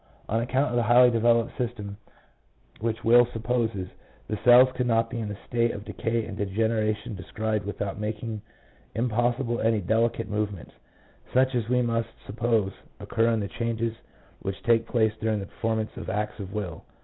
On account of the highly developed system which will supposes, the cells could not be in the state of decay and degeneration described without making impossible any delicate movements, such as we must suppose occur in the changes which take place during the performance of acts of will.